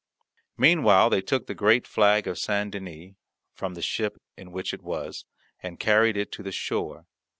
Meanwhile they took the great flag of Saint Denys, from the ship in which it was, and carried it to the shore.